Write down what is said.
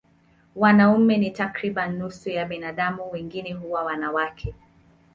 Wanaume ni takriban nusu ya binadamu, wengine huwa wanawake.